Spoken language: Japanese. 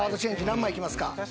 何枚いきますか？